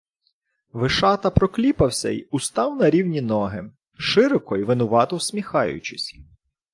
Вишата прокліпався й устав на рівні ноги, широко й винувато всміхаючись.